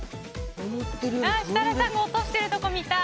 設楽さんが落としてるところ見たい！